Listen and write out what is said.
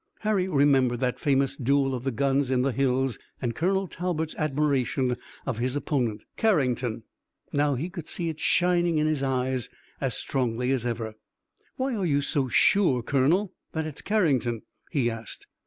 Harry remembered that famous duel of the guns in the hills and Colonel Talbot's admiration of his opponent, Carrington. Now he could see it shining in his eyes as strongly as ever. "Why are you so sure, colonel, that it's Carrington?" he asked.